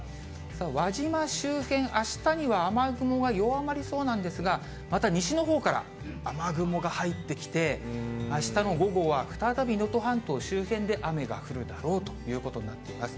輪島周辺、あしたには雨雲は弱まりそうなんですが、また西のほうから雨雲が入ってきて、あしたの午後は、再び能登半島周辺で雨が降るだろうということになっています。